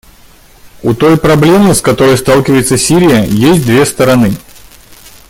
У той проблемы, с которой сталкивается Сирия, есть две стороны.